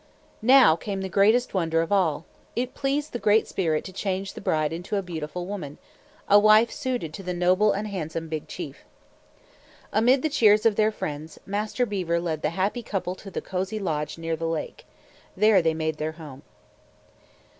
Now came the greatest wonder of all. It pleased the Great Spirit to change the bride into a beautiful woman a wife suited to the noble and handsome Big Chief. Amid the cheers of their friends, Master Beaver led the happy couple to the cozy lodge near the lake. There they made their home.